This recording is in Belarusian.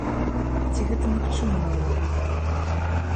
Ці гэта магчыма наогул?